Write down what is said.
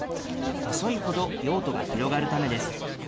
細いほど用途が広がるためです。